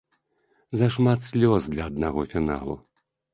Зашмат слёз для аднаго фіналу.